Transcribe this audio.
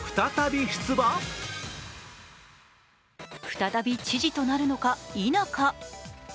再び知事となるのか否か。